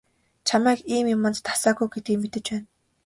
Чамайг ийм юманд дасаагүй гэдгийг мэдэж байна.